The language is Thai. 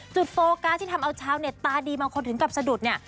โฟกัสที่ทำเอาชาวเน็ตตาดีบางคนถึงกับสะดุดเนี่ย